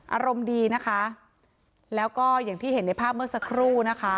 อารมณ์ดีนะคะแล้วก็อย่างที่เห็นในภาพเมื่อสักครู่นะคะ